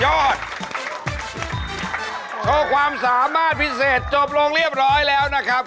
เพราะความสามารถพิเศษจบลงเรียบร้อยแล้วนะครับ